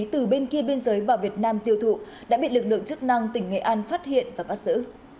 từ bên kia biên giới vào việt nam tiêu thụ đã bị lực lượng chức năng tỉnh nghệ an phát hiện và bắt giữ